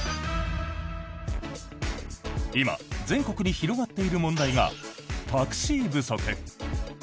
今、全国に広がっている問題がタクシー不足。